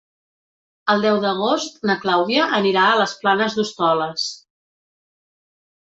El deu d'agost na Clàudia anirà a les Planes d'Hostoles.